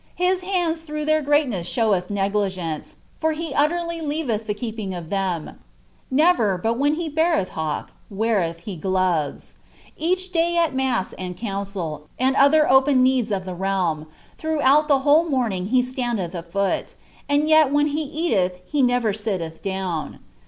Ilis htodi tliruugh their greatness shewelh negligence, for he utterly loavcih ihc keeping of them ; never, but when he beareih hawks, wesreth he glotc*. E^u day at mass and council, and other open needs of tlie realm. throughout the whole morning he standeth a foot, end yet wbei) he m elh he never Bitlelfa down.